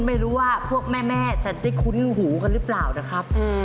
ไม่รู้ว่าพวกแม่จะได้คุ้นหูกันหรือเปล่านะครับ